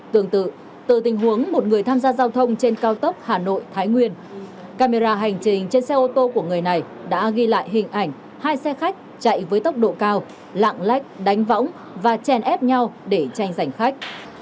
tương tự từ tình huống một người tham gia giao thông trên cao tốc hà nội thái nguyên camera hành trình trên xe ô tô của người này đã ghi lại hình ảnh hai xe khách chạy với tốc độ cao lạng lách đánh võng và chèn ép nhau để tranh giành khách